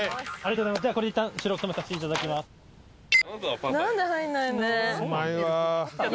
うまいわ。